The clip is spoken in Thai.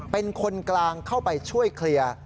เป็นคนกลางเข้าไปช่วยเคลียร์